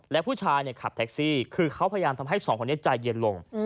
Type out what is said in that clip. และผู้ชายขับแท็กซี่คือเขาพยายามทำให้สองคนนี้ใจเย็นลง